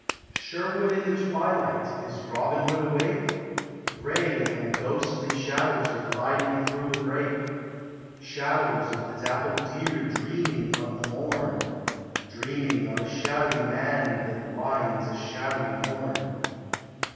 Sherwood in the twilight, is Robin Hood awake ? Gray and ghostly shadows are gliding thro' the brake ; Shadows of the dappled deer, dreaming of the morn, Dreaming of a shadowy man that winds a shadowy horn.